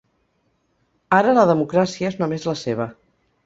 Ara la democràcia és només la seva.